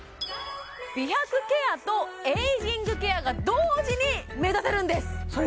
美白ケアとエイジングケアが同時に目指せるんですそれ